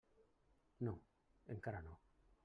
No, encara no.